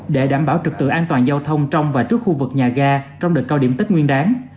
để đảm bảo trực tự an toàn giao thông trong và trước khu vực nhà ga trong đợt cao điểm tết nguyên đáng